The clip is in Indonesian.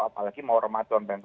apalagi mau remajaan renhard